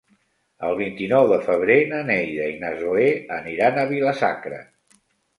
El vint-i-nou de febrer na Neida i na Zoè aniran a Vila-sacra.